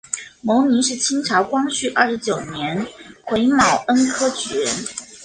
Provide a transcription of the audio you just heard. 牟琳是清朝光绪二十九年癸卯恩科举人。